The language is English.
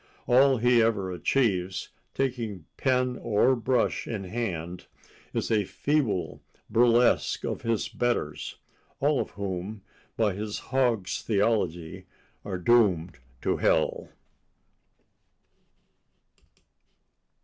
All he ever achieves, taking pen or brush in hand, is a feeble burlesque of his betters, all of whom, by his hog's theology, are doomed to hell.